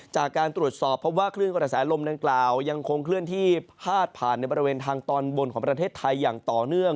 จากการตรวจสอบพบว่าคลื่นกระแสลมดังกล่าวยังคงเคลื่อนที่พาดผ่านในบริเวณทางตอนบนของประเทศไทยอย่างต่อเนื่อง